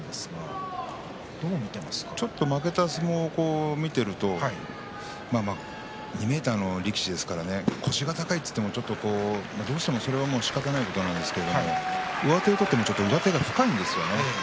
北青鵬が負けた相撲を見てみると２ｍの力士ですから腰が高いと言っても、どうしてもそれはしかたのないことなんですけれど上手を取ると上手が深いんですね。